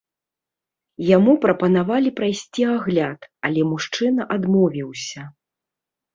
Яму прапанавалі прайсці агляд, але мужчына адмовіўся.